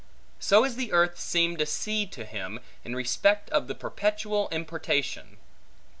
So as the earth seemed a sea to him, in respect of the perpetual importation.